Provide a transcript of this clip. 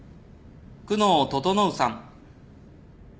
久能整さん。